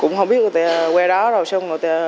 cũng không biết người ta quay đó rồi xong rồi người ta